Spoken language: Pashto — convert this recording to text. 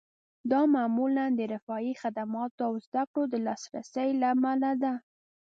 دا معمولاً د رفاهي خدماتو او زده کړو د لاسرسي له امله ده